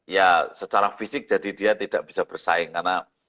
ya secara fisik jadi dia tidak bisa bersaing karena